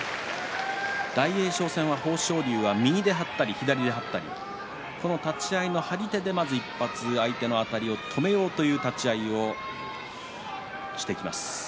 大栄翔戦は豊昇龍は右で張ったり左手で張ったり立ち合いの張り手で、まず１発相手のあたりを止めようという立ち合いをしてきます。